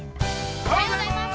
◆おはようございます。